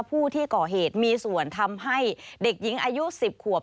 ผู้ที่ก่อเหตุมีส่วนทำให้เด็กหญิงอายุ๑๐ขวบ